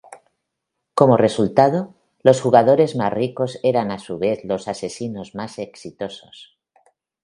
Como resultado, los jugadores más ricos eran a su vez los asesinos más exitosos.